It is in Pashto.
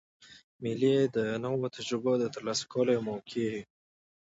مېلې د نوو تجربو د ترلاسه کولو یوه موقع يي.